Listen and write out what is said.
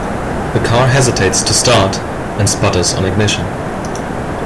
The car hesitates to start and sputters on ignition.